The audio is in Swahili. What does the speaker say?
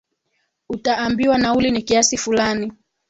utaambiwa nauli ni kiasi fulani